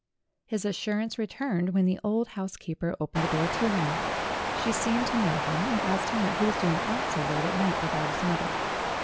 His assurance returned when the old house keeper opened the door to him. She seemed to know him, and asked him what he was doing out so late at night without his mother.